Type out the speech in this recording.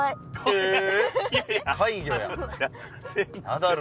へえ！